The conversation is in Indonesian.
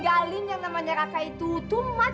ayah yang bikin